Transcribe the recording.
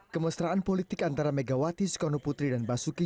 kemesteraan politik antara megawati skonoputri dan basuki